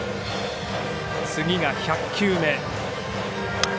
次が１００球目。